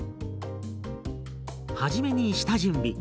はじめに下準備。